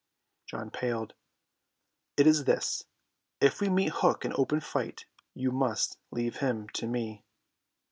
John paled. "It is this, if we meet Hook in open fight, you must leave him to me."